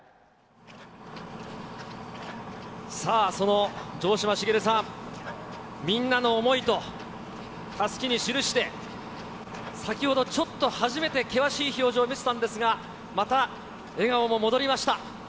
さあ、その城島茂さん、みんなの想いとたすきに記して、先ほどちょっと初めて険しい表情を見せたんですが、また笑顔も戻りました。